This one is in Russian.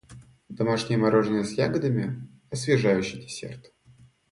Домашнее мороженое с ягодами - освежающий десерт.